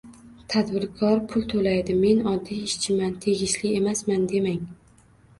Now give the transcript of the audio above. Tadbirkor pul to'laydi, men oddiy ishchiman, tegishli emasman demang